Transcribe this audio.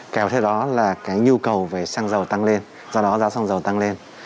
kéo theo đó là cái nhu cầu về xăng dầu tăng lên do đó giá xăng dầu tăng lên